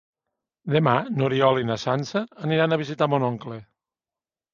Demà n'Oriol i na Sança aniran a visitar mon oncle.